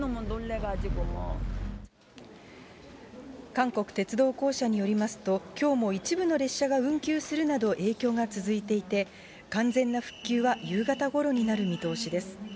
韓国鉄道公社によりますと、きょうも一部の列車が運休するなど影響が続いていて、完全な復旧は夕方ごろになる見通しです。